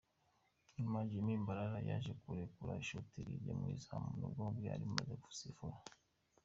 Nyuma Jimmy Mbarara yaje kurekura ishoti rijya mu izamu nubwo bari bamaze gusifura.